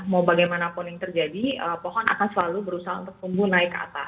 mau bagaimanapun yang terjadi pohon akan selalu berusaha untuk tumbuh naik ke atas